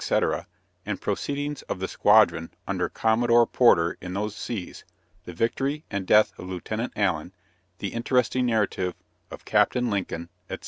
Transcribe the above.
with proceedings of the Squadron under Commodore Porter in those seas, the victory and death of Lieutenant Allen, the interesting Narrative of Captain Lincoln, &c.